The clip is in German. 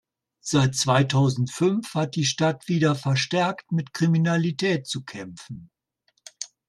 Seit zweitausendfünf hat die Stadt wieder verstärkt mit Kriminalität zu kämpfen.